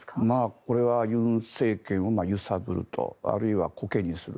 これは尹政権を揺さぶるとあるいは、こけにすると。